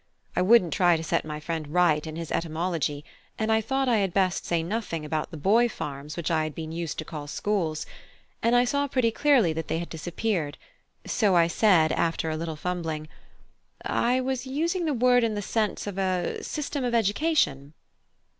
I wouldn't try to set my friend right in his etymology; and I thought I had best say nothing about the boy farms which I had been used to call schools, as I saw pretty clearly that they had disappeared; so I said after a little fumbling, "I was using the word in the sense of a system of education."